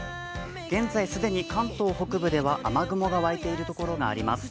現在既に関東北部では雨雲がわいているところがあります。